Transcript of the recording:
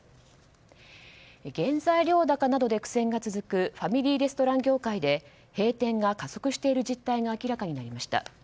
原材料高などで苦戦が続くファミリーレストラン業界で閉店が加速している実態が明らかになりました。